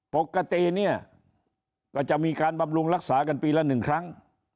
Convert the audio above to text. ปกติเนี่ยก็จะมีการบำรุงรักษากันปีละ๑ครั้ง